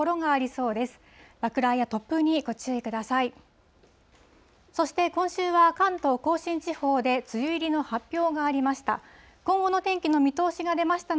そして、今週は関東甲信地方で梅雨入りの発表がありました。